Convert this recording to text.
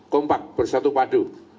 kompak bersatu padu